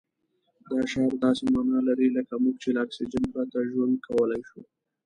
دا شعار داسې مانا لري لکه موږ چې له اکسجن پرته ژوند کولای شو.